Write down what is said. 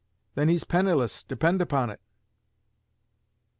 Then he's penniless, depend upon it!"